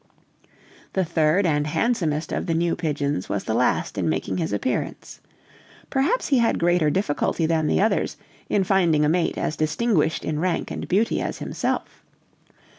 The third and handsomest of the new pigeons was the last in making his appearance. Perhaps he had greater difficulty than the others in finding a mate as distinguished in rank and beauty as himself.